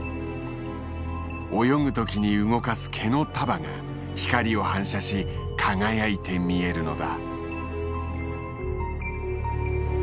泳ぐ時に動かす毛の束が光を反射し輝いて見えるのだ。